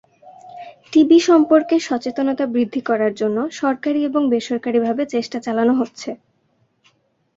TB সম্পর্কে সচেতনতা বৃদ্ধি করার জন্য সরকারি এবং বেসরকারি ভাবে চেষ্টা চালানো হচ্ছে।